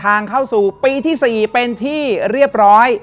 ทางเข้าสู่ปีที่๔เป็นที่เรียบร้อย